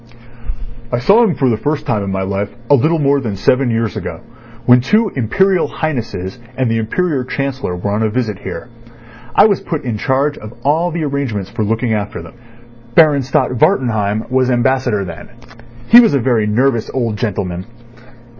"I saw him for the first time in my life a little more than seven years ago, when two Imperial Highnesses and the Imperial Chancellor were on a visit here. I was put in charge of all the arrangements for looking after them. Baron Stott Wartenheim was Ambassador then. He was a very nervous old gentleman.